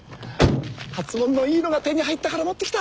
初物のいいのが手に入ったから持ってきた。